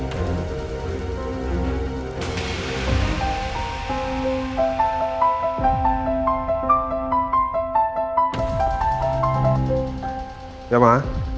lain kali kita berdua